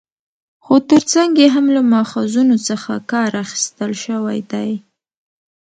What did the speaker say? خو تر څنګ يې هم له ماخذونو څخه کار اخستل شوى دى